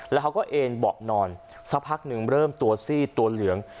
แล้วเขาก็เอ็นเบาะนอนสักพักหนึ่งเริ่มตัวซีดตัวเหลือง